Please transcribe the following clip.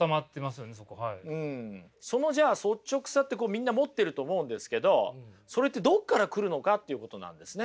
そのじゃあ率直さってこうみんな持ってると思うんですけどそれってどこから来るのかっていうことなんですね。